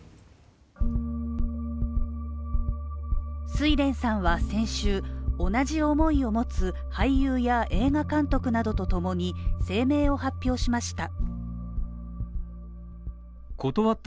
睡蓮さんは先週、同じ思いを持つ俳優や映画監督などとともに声明を発表しました。